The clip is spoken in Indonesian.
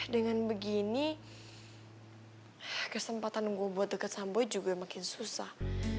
dengan begini kesempatan gue buat deket sama boy juga makin susah